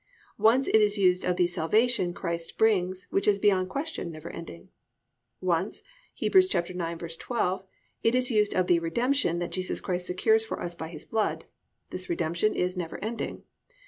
Once it is used of the "salvation" Christ brings, which is beyond question never ending. Once (Heb. 9:12) it is used of the "redemption" that Jesus Christ secures for us by His blood. This redemption is never ending.